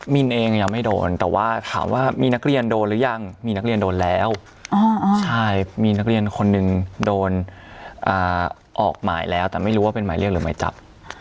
มินเองยังไม่โดนแต่ว่าถามว่ามีนักเรียนโดนหรือยังมีนักเรียนโดนแล้วใช่มีนักเรียนคนหนึ่งโดนออกหมายแล้วแต่ไม่รู้ว่าเป็นหมายเรียกหรือหมายจับ